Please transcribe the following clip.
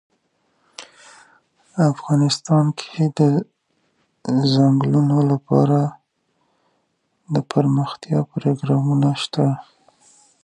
افغانستان کې د ځنګلونه لپاره دپرمختیا پروګرامونه شته.